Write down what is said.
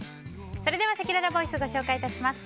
それでは、せきららボイスご紹介致します。